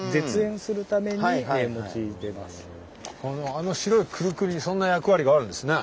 あの白いクルクルにそんな役割があるんですね。